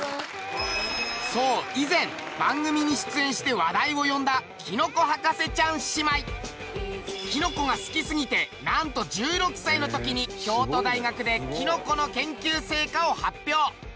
そう以前番組に出演して話題を呼んだきのこが好きすぎてなんと１６歳の時に京都大学できのこの研究成果を発表。